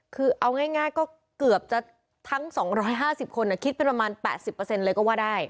คือเอาง่ายก็เกือบจะทั้ง๒๕๐คนคิดเป็นประมาณ๘๐เลยก็ว่าได้